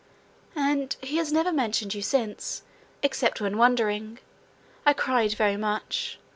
And he has never mentioned you since, except when wandering. I cried very much.